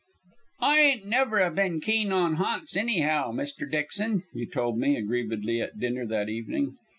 "I ain't never 'a' been keen on ha'nts anyhow, Mr. Dixon," he told me aggrievedly at dinner that evening.